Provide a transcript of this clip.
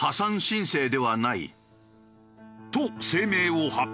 と声明を発表。